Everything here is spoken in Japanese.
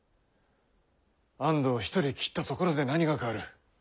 安藤一人斬ったところで何が変わる？